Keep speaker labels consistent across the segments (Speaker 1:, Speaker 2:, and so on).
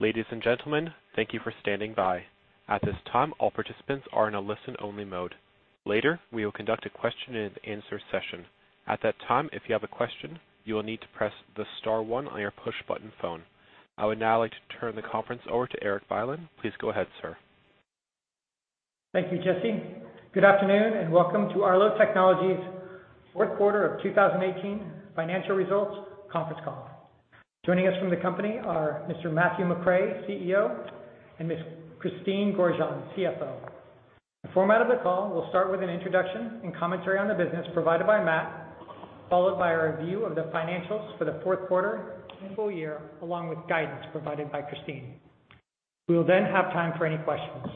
Speaker 1: Ladies and gentlemen, thank you for standing by. At this time, all participants are in a listen-only mode. Later, we will conduct a question-and-answer session. At that time, if you have a question, you will need to press the star one on your push button phone. I would now like to turn the conference over to Erik Bylin. Please go ahead, sir.
Speaker 2: Thank you, Jesse. Good afternoon, and welcome to Arlo Technologies' fourth quarter of 2018 financial results conference call. Joining us from the company are Mr. Matthew McRae, CEO, and Ms. Christine Gorjanc, CFO. The format of the call will start with an introduction and commentary on the business provided by Matt, followed by a review of the financials for the fourth quarter and full-year, along with guidance provided by Christine. We will then have time for any questions.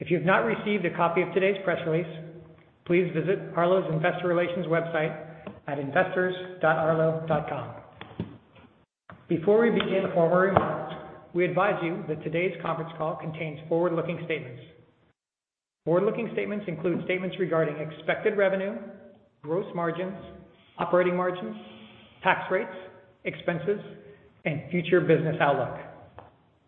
Speaker 2: If you've not received a copy of today's press release, please visit Arlo's investor relations website at investors.arlo.com. Before we begin formal remarks, we advise you that today's conference call contains forward-looking statements. Forward-looking statements include statements regarding expected revenue, gross margins, operating margins, tax rates, expenses, and future business outlook.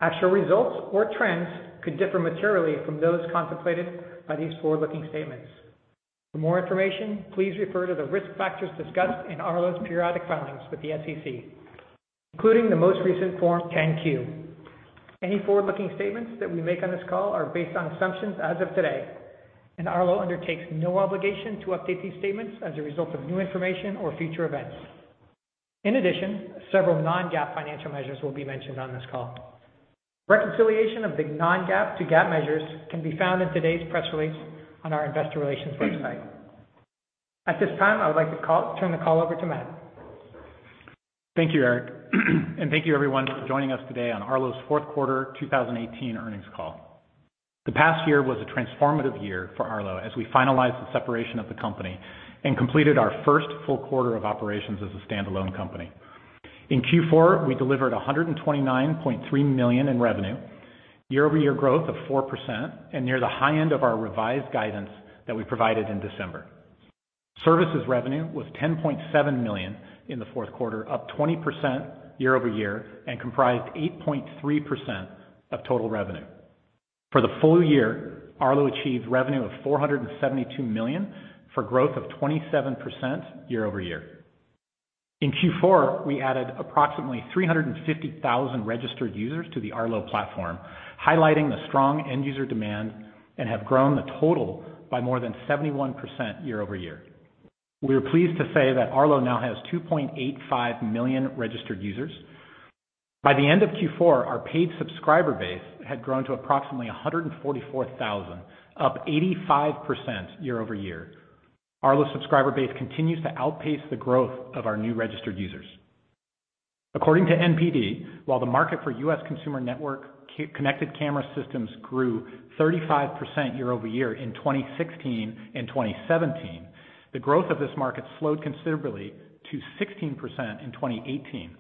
Speaker 2: Actual results or trends could differ materially from those contemplated by these forward-looking statements. For more information, please refer to the risk factors discussed in Arlo's periodic filings with the SEC, including the most recent Form 10-Q. Any forward-looking statements that we make on this call are based on assumptions as of today. Arlo undertakes no obligation to update these statements as a result of new information or future events. In addition, several non-GAAP financial measures will be mentioned on this call. Reconciliation of the non-GAAP to GAAP measures can be found in today's press release on our investor relations website. At this time, I would like to turn the call over to Matt.
Speaker 3: Thank you, Erik, and thank you everyone for joining us today on Arlo's fourth quarter 2018 earnings call. The past year was a transformative year for Arlo as we finalized the separation of the company and completed our first full quarter of operations as a standalone company. In Q4, we delivered $129.3 million in revenue, year-over-year growth of 4%, and near the high end of our revised guidance that we provided in December. Services revenue was $10.7 million in the fourth quarter, up 20% year-over-year, and comprised 8.3% of total revenue. For the full-year, Arlo achieved revenue of $472 million, for growth of 27% year-over-year. In Q4, we added approximately 350,000 registered users to the Arlo platform, highlighting the strong end-user demand and have grown the total by more than 71% year-over-year. We are pleased to say that Arlo now has 2.85 million registered users. By the end of Q4, our paid subscriber base had grown to approximately 144,000, up 85% year-over-year. Arlo's subscriber base continues to outpace the growth of our new registered users. According to NPD, while the market for U.S. consumer network connected camera systems grew 35% year-over-year in 2016 and 2017, the growth of this market slowed considerably to 16% in 2018.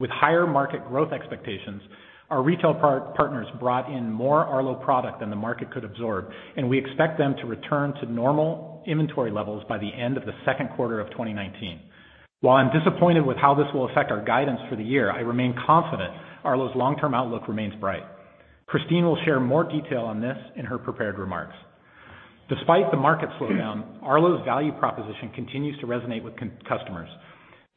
Speaker 3: With higher market growth expectations, our retail partners brought in more Arlo product than the market could absorb, and we expect them to return to normal inventory levels by the end of the second quarter of 2019. While I'm disappointed with how this will affect our guidance for the year, I remain confident Arlo's long-term outlook remains bright. Christine will share more detail on this in her prepared remarks. Despite the market slowdown, Arlo's value proposition continues to resonate with customers,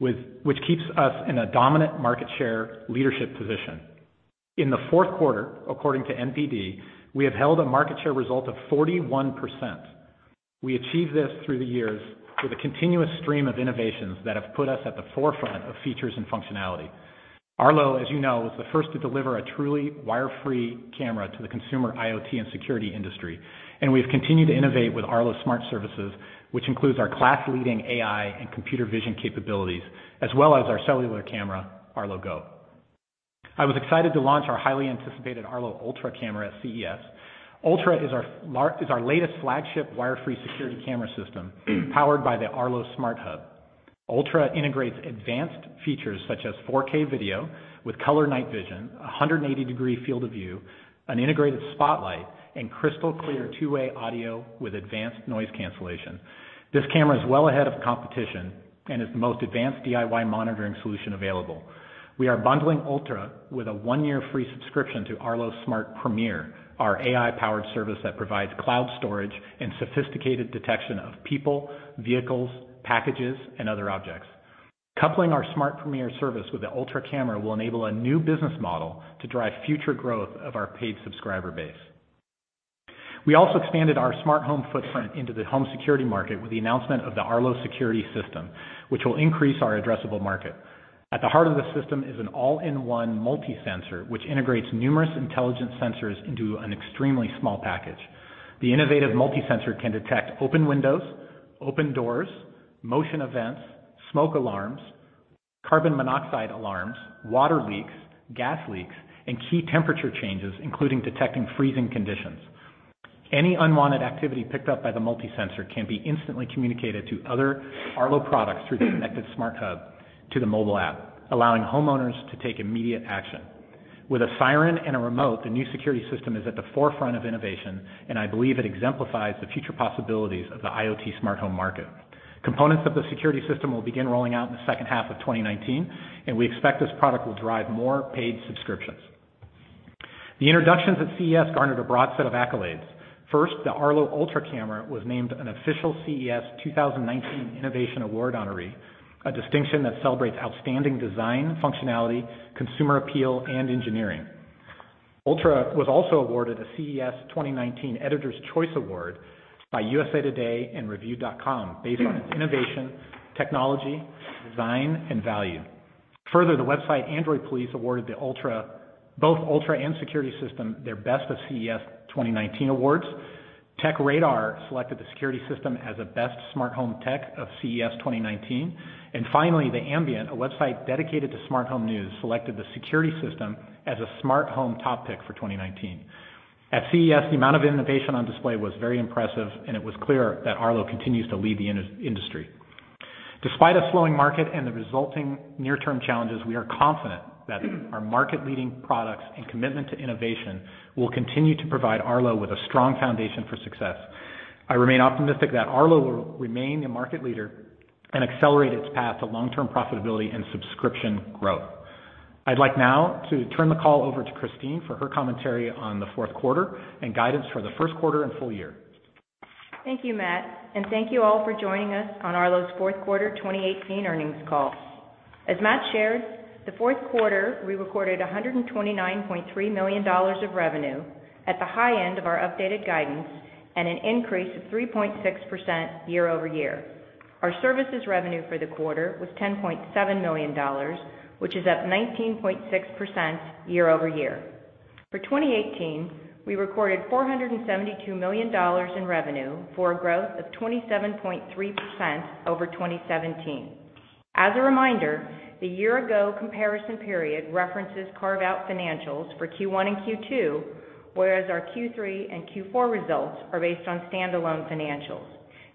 Speaker 3: which keeps us in a dominant market share leadership position. In the fourth quarter, according to NPD, we have held a market share result of 41%. We achieved this through the years with a continuous stream of innovations that have put us at the forefront of features and functionality. Arlo, as you know, was the first to deliver a truly wire-free camera to the consumer IoT and security industry, and we've continued to innovate with Arlo Smart Services, which includes our class-leading AI and computer vision capabilities, as well as our cellular camera, Arlo Go. I was excited to launch our highly anticipated Arlo Ultra camera at CES. Ultra is our latest flagship wire-free security camera system, powered by the Arlo SmartHub. Ultra integrates advanced features such as 4K video with color night vision, 180-degree field of view, an integrated spotlight, and crystal-clear two-way audio with advanced noise cancellation. This camera is well ahead of the competition and is the most advanced DIY monitoring solution available. We are bundling Ultra with a one-year free subscription to Arlo Smart Premier, our AI-powered service that provides cloud storage and sophisticated detection of people, vehicles, packages, and other objects. Coupling our Smart Premier service with the Ultra camera will enable a new business model to drive future growth of our paid subscriber base. We also expanded our smart home footprint into the home security market with the announcement of the Arlo Home Security System, which will increase our addressable market. At the heart of the system is an all-in-one multi-sensor, which integrates numerous intelligent sensors into an extremely small package. The innovative multi-sensor can detect open windows, open doors, motion events, smoke alarms, carbon monoxide alarms, water leaks, gas leaks, and key temperature changes, including detecting freezing conditions. Any unwanted activity picked up by the multi-sensor can be instantly communicated to other Arlo products through the connected SmartHub to the mobile app, allowing homeowners to take immediate action. With a siren and a remote, the new security system is at the forefront of innovation, and I believe it exemplifies the future possibilities of the IoT smart home market. Components of the security system will begin rolling out in the second half of 2019, and we expect this product will drive more paid subscriptions. The introductions at CES garnered a broad set of accolades. First, the Arlo Ultra camera was named an official CES 2019 Innovation Award honoree, a distinction that celebrates outstanding design, functionality, consumer appeal, and engineering. Ultra was also awarded a CES 2019 Editors' Choice Award by USA Today and Reviewed.com based on its innovation, technology, design, and value. Further, the website Android Police awarded both Ultra and Security System their Best of CES 2019 awards. TechRadar selected the Security System as a best smart home tech of CES 2019. Finally, The Ambient, a website dedicated to smart home news, selected the Security System as a smart home top pick for 2019. At CES, the amount of innovation on display was very impressive, and it was clear that Arlo continues to lead the industry. Despite a slowing market and the resulting near-term challenges, we are confident that our market-leading products and commitment to innovation will continue to provide Arlo with a strong foundation for success. I remain optimistic that Arlo will remain a market leader and accelerate its path to long-term profitability and subscription growth. I'd like now to turn the call over to Christine for her commentary on the fourth quarter and guidance for the first quarter and full-year.
Speaker 4: Thank you, Matt, and thank you all for joining us on Arlo's fourth quarter 2018 earnings call. As Matt shared, the fourth quarter, we recorded $129.3 million of revenue at the high end of our updated guidance and an increase of 3.6% year-over-year. Our services revenue for the quarter was $10.7 million, which is up 19.6% year-over-year. For 2018, we recorded $472 million in revenue, for a growth of 27.3% over 2017. As a reminder, the year-ago comparison period references carve-out financials for Q1 and Q2, whereas our Q3 and Q4 results are based on standalone financials.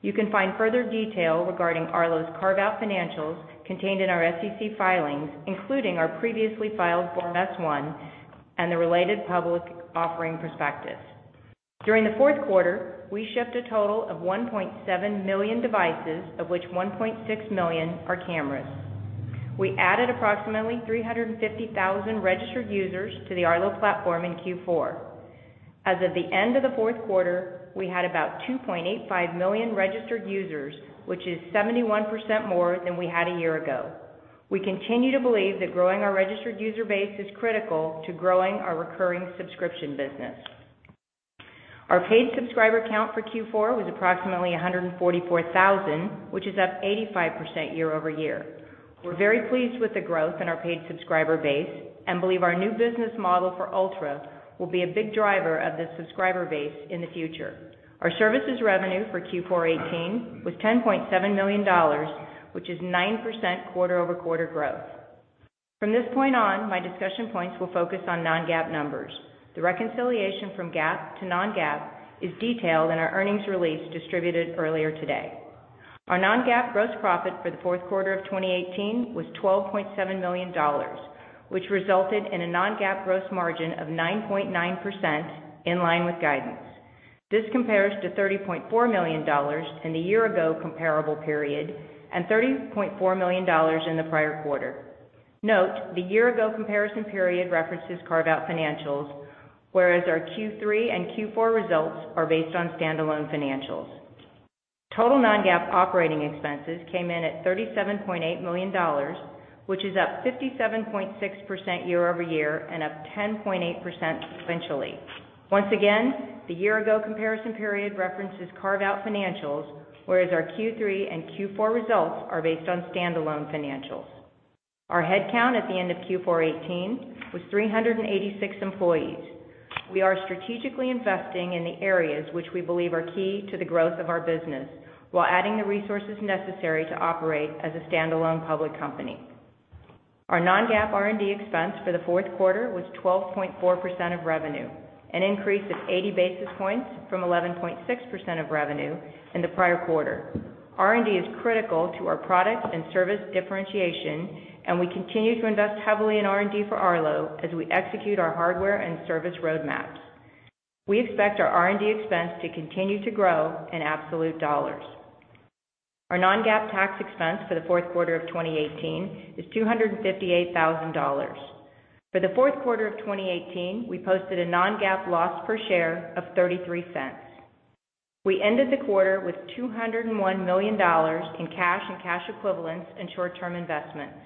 Speaker 4: You can find further detail regarding Arlo's carve-out financials contained in our SEC filings, including our previously filed Form S-1 and the related public offering prospectus. During the fourth quarter, we shipped a total of 1.7 million devices, of which 1.6 million are cameras. We added approximately 350,000 registered users to the Arlo platform in Q4. As of the end of the fourth quarter, we had about 2.85 million registered users, which is 71% more than we had a year ago. We continue to believe that growing our registered user base is critical to growing our recurring subscription business. Our paid subscriber count for Q4 was approximately 144,000, which is up 85% year-over-year. We're very pleased with the growth in our paid subscriber base and believe our new business model for Ultra will be a big driver of this subscriber base in the future. Our services revenue for Q4 2018 was $10.7 million, which is 9% quarter-over-quarter growth. From this point on, my discussion points will focus on non-GAAP numbers. The reconciliation from GAAP to non-GAAP is detailed in our earnings release distributed earlier today. Our non-GAAP gross profit for the fourth quarter of 2018 was $12.7 million, which resulted in a non-GAAP gross margin of 9.9%, in line with guidance. This compares to $30.4 million in the year-ago comparable period and $30.4 million in the prior quarter. Note, the year-ago comparison period references carve-out financials, whereas our Q3 and Q4 results are based on standalone financials. Total non-GAAP operating expenses came in at $37.8 million, which is up 57.6% year-over-year and up 10.8% sequentially. Once again, the year-ago comparison period references carve-out financials, whereas our Q3 and Q4 results are based on standalone financials. Our headcount at the end of Q4 2018 was 386 employees. We are strategically investing in the areas which we believe are key to the growth of our business while adding the resources necessary to operate as a standalone public company. Our non-GAAP R&D expense for the fourth quarter was 12.4% of revenue, an increase of 80 basis points from 11.6% of revenue in the prior quarter. R&D is critical to our product and service differentiation, and we continue to invest heavily in R&D for Arlo as we execute our hardware and service roadmaps. We expect our R&D expense to continue to grow in absolute dollars. Our non-GAAP tax expense for the fourth quarter of 2018 is $258,000. For the fourth quarter of 2018, we posted a non-GAAP loss per share of $0.33. We ended the quarter with $201 million in cash and cash equivalents and short-term investments.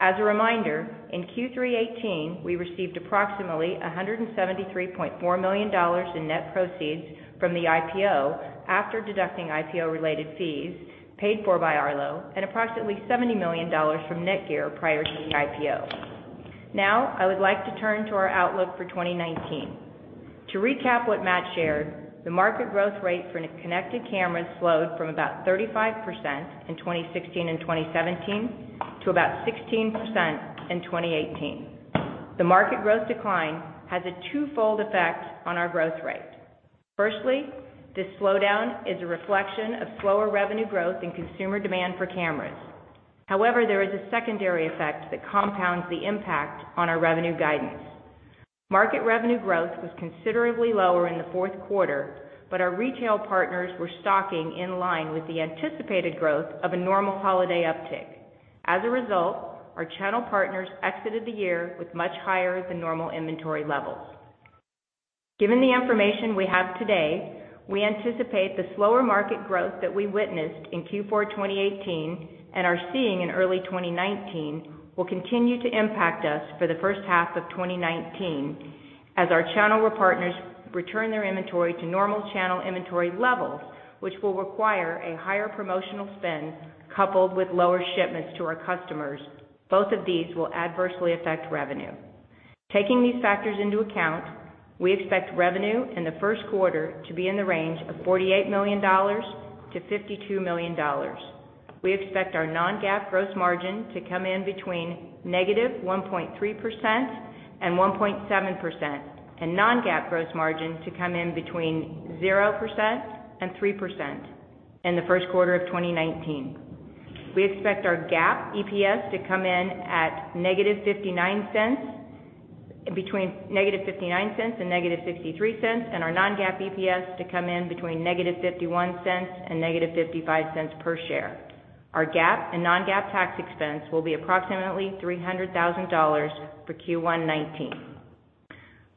Speaker 4: As a reminder, in Q3 2018, we received approximately $173.4 million in net proceeds from the IPO after deducting IPO-related fees paid for by Arlo and approximately $70 million from Netgear prior to the IPO. Now, I would like to turn to our outlook for 2019. To recap what Matt shared, the market growth rate for connected cameras slowed from about 35% in 2016 and 2017 to about 16% in 2018. The market growth decline has a twofold effect on our growth rate. Firstly, this slowdown is a reflection of slower revenue growth and consumer demand for cameras. However, there is a secondary effect that compounds the impact on our revenue guidance. Market revenue growth was considerably lower in the fourth quarter, but our retail partners were stocking in line with the anticipated growth of a normal holiday uptick. As a result, our channel partners exited the year with much higher than normal inventory levels. Given the information we have today, we anticipate the slower market growth that we witnessed in Q4 2018 and are seeing in early 2019 will continue to impact us for the first half of 2019, as our channel partners return their inventory to normal channel inventory levels, which will require a higher promotional spend coupled with lower shipments to our customers. Both of these will adversely affect revenue. Taking these factors into account, we expect revenue in the first quarter to be in the range of $48 million-$52 million. We expect our non-GAAP gross margin to come in between -1.3% and -1.7%, and non-GAAP gross margin to come in between 0% and 3% in the first quarter of 2019. We expect our GAAP EPS to come in at between -$0.59 and -$0.63, and our non-GAAP EPS to come in between -$0.51 and -$0.55 per share. Our GAAP and non-GAAP tax expense will be approximately $300,000 for Q1 2019.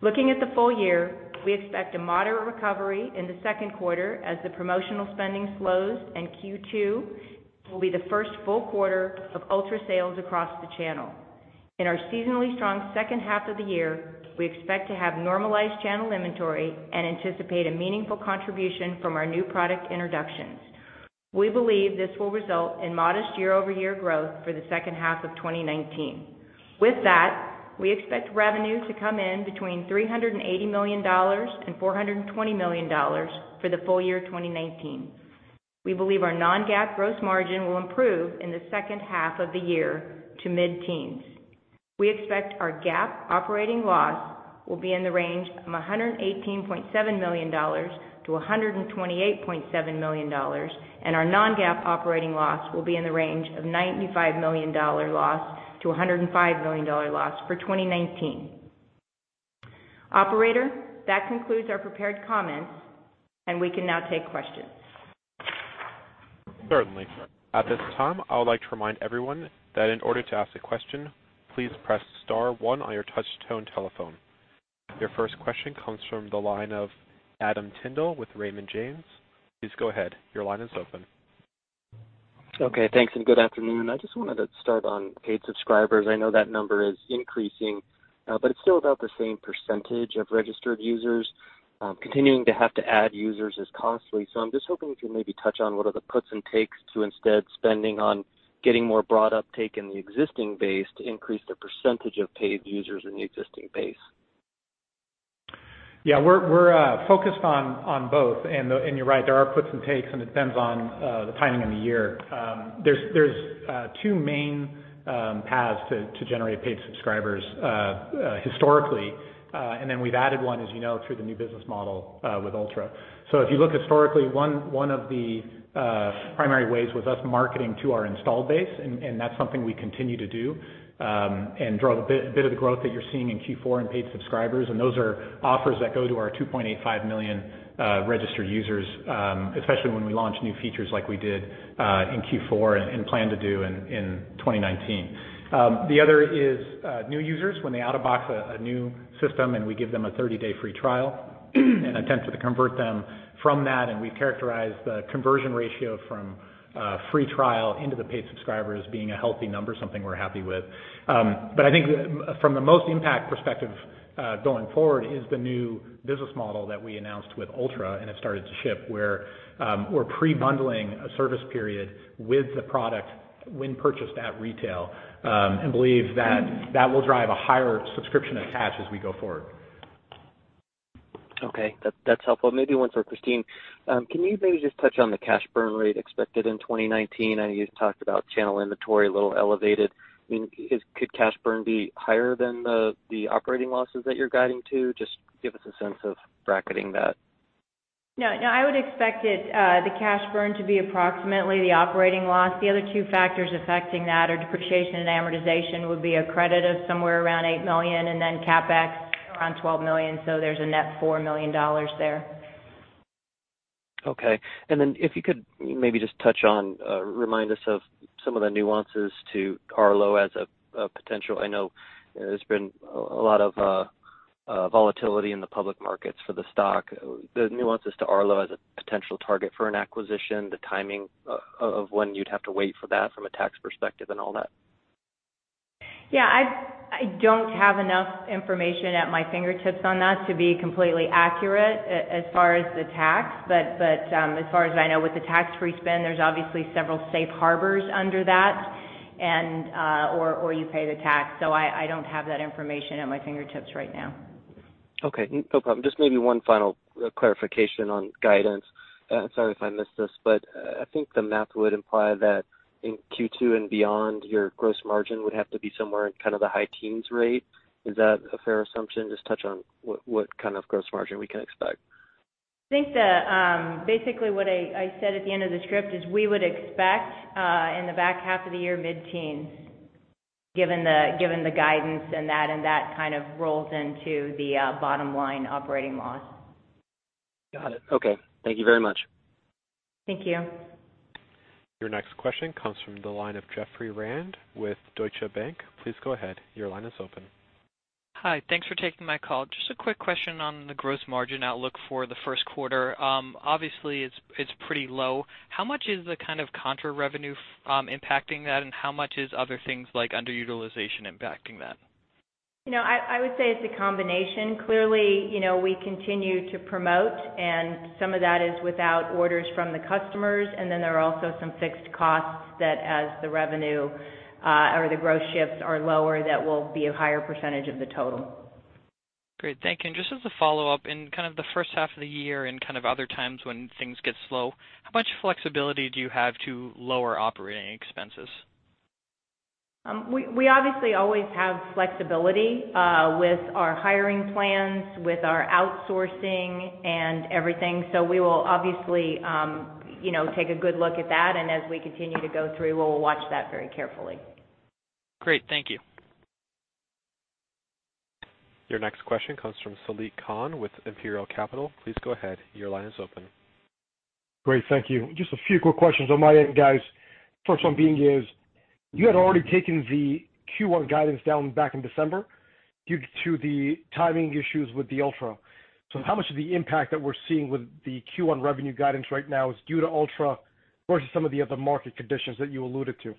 Speaker 4: Looking at the full-year, we expect a moderate recovery in the second quarter as the promotional spending slows, and Q2 will be the first full quarter of Ultra sales across the channel. In our seasonally strong second half of the year, we expect to have normalized channel inventory and anticipate a meaningful contribution from our new product introductions. We believe this will result in modest year-over-year growth for the second half of 2019. With that, we expect revenue to come in between $380 million and $420 million for the full-year 2019. We believe our non-GAAP gross margin will improve in the second half of the year to mid-teens. We expect our GAAP operating loss will be in the range from $118.7 million-$128.7 million, and our non-GAAP operating loss will be in the range of $95 million-$105 million loss for 2019. Operator, that concludes our prepared comments. We can now take questions.
Speaker 1: Certainly. At this time, I would like to remind everyone that in order to ask a question, please press star one on your touch-tone telephone. Your first question comes from the line of Adam Tindle with Raymond James. Please go ahead, your line is open.
Speaker 5: Okay, thanks. Good afternoon. I just wanted to start on paid subscribers. I know that number is increasing, it's still about the same percentage of registered users. Continuing to have to add users is costly, I'm just hoping if you maybe touch on what are the puts and takes to instead spending on getting more broad uptake in the existing base to increase the percentage of paid users in the existing base?
Speaker 3: Yeah, we're focused on both. You're right, there are puts and takes, it depends on the timing of the year. There's two main paths to generate paid subscribers historically. We've added one, as you know, through the new business model with Ultra. If you look historically, one of the primary ways was us marketing to our installed base, and that's something we continue to do and drove a bit of the growth that you're seeing in Q4 in paid subscribers, and those are offers that go to our 2.85 million registered users, especially when we launch new features like we did in Q4 and plan to do in 2019. The other is new users when they out-of-box a new system and we give them a 30-day free trial and attempt to convert them from that, and we characterize the conversion ratio from a free trial into the paid subscribers being a healthy number, something we're happy with. I think from the most impact perspective going forward is the new business model that we announced with Ultra and have started to ship, where we're pre-bundling a service period with the product when purchased at retail and believe that that will drive a higher subscription attach as we go forward.
Speaker 5: Okay, that's helpful. Maybe one for Christine. Can you maybe just touch on the cash burn rate expected in 2019? I know you've talked about channel inventory a little elevated. Could cash burn be higher than the operating losses that you're guiding to? Just give us a sense of bracketing that.
Speaker 4: No, I would expect the cash burn to be approximately the operating loss. The other two factors affecting that are depreciation and amortization would be a credit of somewhere around $8 million, and then CapEx around $12 million, so there's a net $4 million there.
Speaker 5: Okay. If you could maybe just touch on, remind us of some of the nuances to Arlo as a potential. I know there's been a lot of volatility in the public markets for the stock. The nuances to Arlo as a potential target for an acquisition, the timing of when you'd have to wait for that from a tax perspective and all that.
Speaker 4: Yeah, I don't have enough information at my fingertips on that to be completely accurate as far as the tax. As far as I know, with the tax-free spin, there's obviously several safe harbors under that, or you pay the tax. I don't have that information at my fingertips right now.
Speaker 5: Okay, no problem. Just maybe one final clarification on guidance. Sorry if I missed this, I think the math would imply that in Q2 and beyond, your gross margin would have to be somewhere in kind of the high teens rate. Is that a fair assumption? Just touch on what kind of gross margin we can expect.
Speaker 4: I think that basically what I said at the end of the script is we would expect in the back half of the year mid-teens, given the guidance and that kind of rolls into the bottom line operating loss.
Speaker 5: Got it. Okay, thank you very much.
Speaker 4: Thank you.
Speaker 1: Your next question comes from the line of Jeffrey Rand with Deutsche Bank. Please go ahead, your line is open.
Speaker 6: Hi. Thanks for taking my call. Just a quick question on the gross margin outlook for the first quarter. Obviously, it's pretty low. How much is the kind of contra revenue impacting that, and how much is other things like underutilization impacting that?
Speaker 4: I would say it's a combination. Clearly, we continue to promote, some of that is without orders from the customers, there are also some fixed costs that as the revenue or the gross shifts are lower, that will be a higher percentage of the total.
Speaker 6: Great, thank you. Just as a follow-up, in kind of the first half of the year and kind of other times when things get slow, how much flexibility do you have to lower operating expenses?
Speaker 4: We obviously always have flexibility with our hiring plans, with our outsourcing and everything. We will obviously take a good look at that, as we continue to go through, we'll watch that very carefully.
Speaker 6: Great, thank you.
Speaker 1: Your next question comes from Saliq Khan with Imperial Capital. Please go ahead, your line is open.
Speaker 7: Great, thank you. Just a few quick questions on my end, guys. First one being, you had already taken the Q1 guidance down back in December due to the timing issues with the Ultra. How much of the impact that we're seeing with the Q1 revenue guidance right now is due to Ultra versus some of the other market conditions that you alluded to?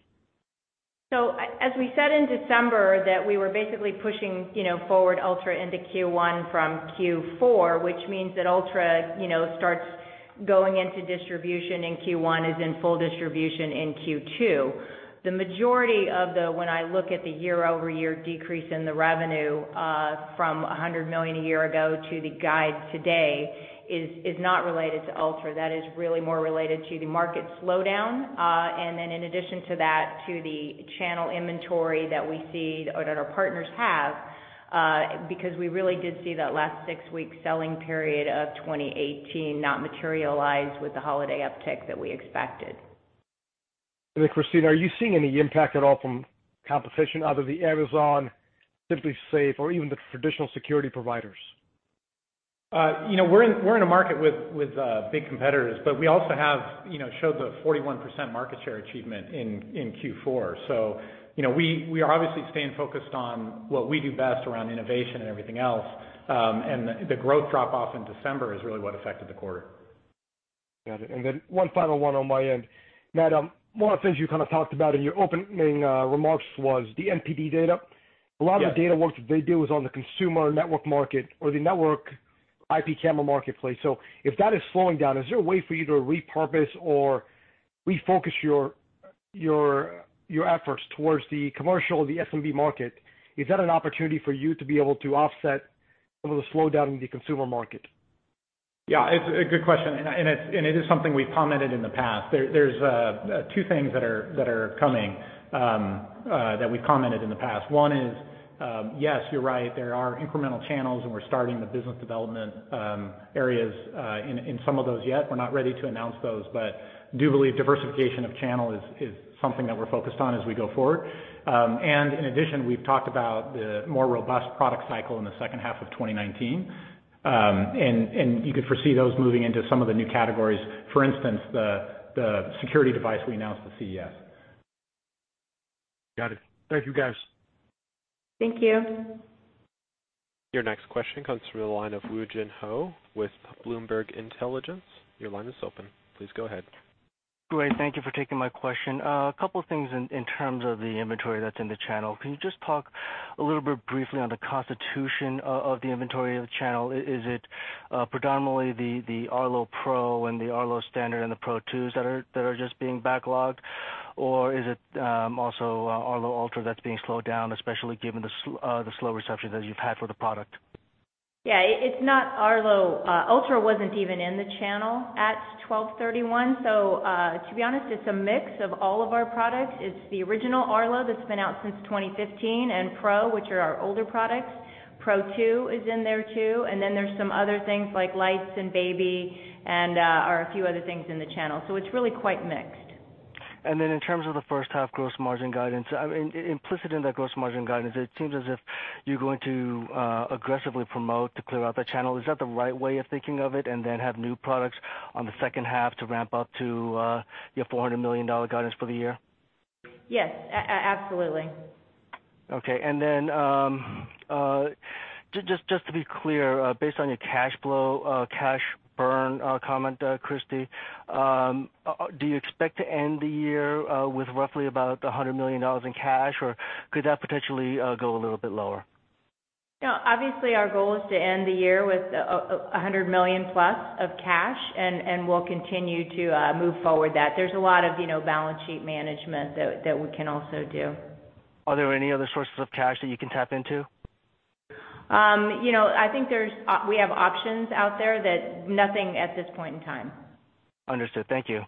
Speaker 4: As we said in December that we were basically pushing forward Ultra into Q1 from Q4, which means that Ultra starts going into distribution in Q1, is in full distribution in Q2. The majority of the, when I look at the year-over-year decrease in the revenue from $100 million a year ago to the guide today is not related to Ultra. That is really more related to the market slowdown. In addition to that, to the channel inventory that we see or that our partners have, because we really did see that last six weeks selling period of 2018 not materialize with the holiday uptick that we expected.
Speaker 7: Christine, are you seeing any impact at all from competition, out of the Amazon, SimpliSafe, or even the traditional security providers?
Speaker 3: We're in a market with big competitors, but we also have showed the 41% market share achievement in Q4. We are obviously staying focused on what we do best around innovation and everything else. The growth drop-off in December is really what affected the quarter.
Speaker 7: Got it. Then one final one on my end. Matt, one of the things you kind of talked about in your opening remarks was the NPD data?
Speaker 3: Yeah.
Speaker 7: A lot of the data work that they do is on the consumer network market or the network IP camera marketplace. If that is slowing down, is there a way for you to repurpose or refocus your efforts towards the commercial or the SMB market? Is that an opportunity for you to be able to offset some of the slowdown in the consumer market?
Speaker 3: Yeah, it's a good question, and it is something we've commented in the past. There's two things that are coming that we've commented in the past. One is yes, you're right, there are incremental channels, we're starting the business development areas in some of those yet. We're not ready to announce those, do believe diversification of channel is something that we're focused on as we go forward. In addition, we've talked about the more robust product cycle in the second half of 2019. You could foresee those moving into some of the new categories. For instance, the security device we announced at CES.
Speaker 7: Got it. Thank you, guys.
Speaker 4: Thank you.
Speaker 1: Your next question comes through the line of Woo Jin Ho with Bloomberg Intelligence. Your line is open, please go ahead.
Speaker 8: Great, thank you for taking my question. A couple of things in terms of the inventory that's in the channel. Can you just talk a little bit briefly on the constitution of the inventory of the channel? Is it predominantly the Arlo Pro and the Arlo standard and the Pro 2s that are just being backlogged, or is it also Arlo Ultra that's being slowed down, especially given the slow reception that you've had for the product?
Speaker 4: Yeah, it's not Arlo Ultra wasn't even in the channel at 12/31. To be honest, it's a mix of all of our products. It's the original Arlo that's been out since 2015 and Pro, which are our older products. Pro 2 is in there too, and then there's some other things like lights and baby and a few other things in the channel. It's really quite mixed.
Speaker 8: In terms of the first half gross margin guidance, implicit in that gross margin guidance, it seems as if you're going to aggressively promote to clear out the channel. Is that the right way of thinking of it, then have new products on the second half to ramp up to your $400 million guidance for the year?
Speaker 4: Yes, absolutely.
Speaker 8: Okay. Just to be clear, based on your cash flow, cash burn comment, Christine, do you expect to end the year with roughly about $100 million in cash, or could that potentially go a little bit lower?
Speaker 4: Obviously, our goal is to end the year with $100+ million of cash, we'll continue to move forward that. There's a lot of balance sheet management that we can also do.
Speaker 8: Are there any other sources of cash that you can tap into?
Speaker 4: I think we have options out there that nothing at this point in time.
Speaker 8: Understood. Thank you.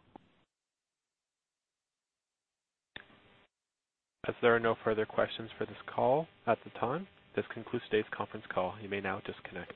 Speaker 1: As there are no further questions for this call at the time, this concludes today's conference call. You may now disconnect.